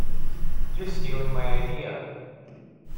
You're stealing my idea!